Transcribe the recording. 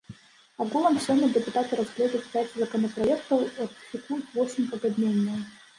Агулам сёння дэпутаты разгледзяць пяць законапраектаў, ратыфікуюць восем пагадненняў.